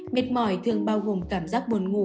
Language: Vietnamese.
mệt mỏi thường bao gồm cảm giác buồn ngủ